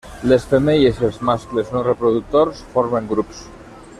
Les femelles i els mascles no reproductors formen grups.